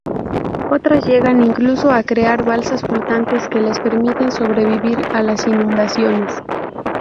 Otras llegan incluso a crear balsas flotantes que les permiten sobrevivir a las inundaciones.